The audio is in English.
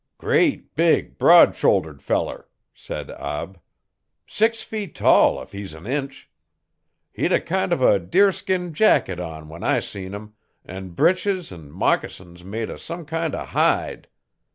'Great, big, broad shouldered feller,' said Ab. 'Six feet tall if he's an inch. Hed a kind of a deerskin jacket on when I seen 'im an' breeches an' moccasins made o' some kind o' hide.